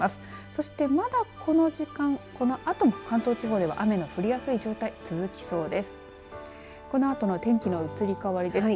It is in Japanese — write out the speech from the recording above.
そして、まだこの時間このあとに関東地方では雨の降りやすい状態続きそうです。